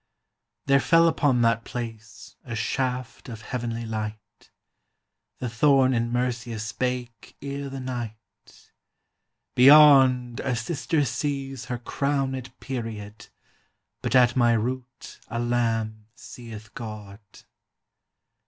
There fell upon that place A shaft of heavenly light; The thorn in Mercia spake Ere the night: "Beyond, a sister sees Her crownèd period, But at my root a lamb Seeth God."